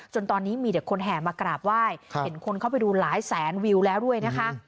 จนตอนนี้มีเด็กคนแห่มากราบไหว้เห็นคนเข้าไปดูหลายแสนวิวแล้วด้วยนะคะ